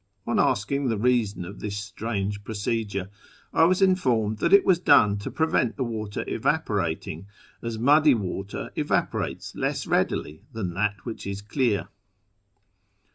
On asking the reason of this strange procedure, I was informed that it was done to ])r event the water evaporating, as muddy water evaporates less readily than that which is clear